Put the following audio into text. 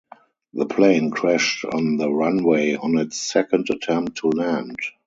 The plane crashed on the runway on its second attempt to land.